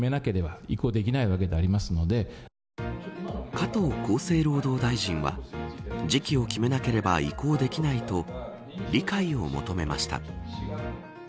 加藤厚生労働大臣は時期を決めなければ移行できないと理解を求めました。